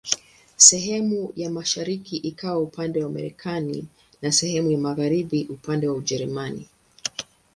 Sehemu ya mashariki ikawa upande wa Marekani na sehemu ya magharibi upande wa Ujerumani.